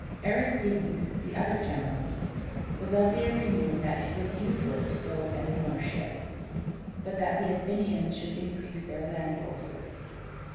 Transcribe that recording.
Aristides, the other general, was of the opinion that it was useless to build any more ships, but that the Athenians should increase their land forces.